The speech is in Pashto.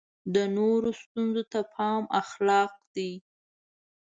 د نورو ستونزو ته پام اخلاق دی.